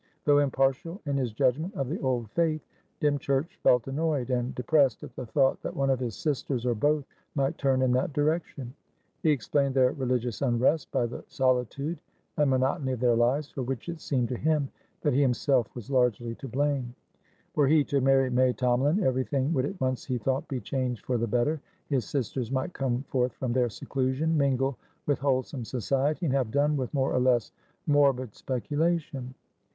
Though impartial in his judgment of the old faith, Dymchurch felt annoyed and depressed at the thought that one of his sisters, or both, might turn in that direction; he explained their religious unrest by the solitude and monotony of their lives, for which it seemed to him that he himself was largely to blame. Were he to marry May Tomalin, everything would at once, he thought, be changed for the better; his sisters might come forth from their seclusion, mingle with wholesome society, and have done with more or less morbid speculation.